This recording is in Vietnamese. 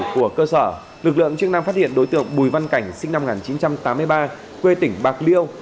của cơ sở lực lượng chức năng phát hiện đối tượng bùi văn cảnh sinh năm một nghìn chín trăm tám mươi ba quê tỉnh bạc liêu